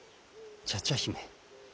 茶々姫。